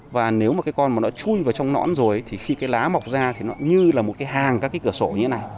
và nếu mà cái con mà nó chui vào trong nõn rồi thì khi cái lá mọc ra thì nó như là một cái hàng các cái cửa sổ như thế này